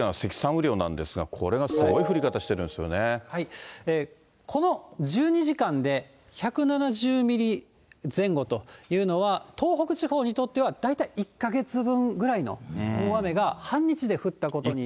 雨量なんですが、これがすごい降り方してるんですこの１２時間で、１７０ミリ前後というのは、東北地方にとっては、大体１か月分ぐらいの大雨が半日で降ったことに。